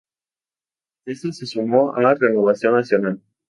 Tras esto se sumó a Renovación Nacional.